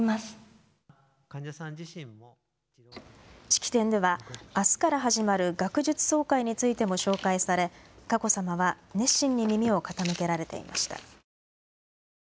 式典ではあすから始まる学術総会についても紹介され佳子さまは熱心に耳を傾けられていました。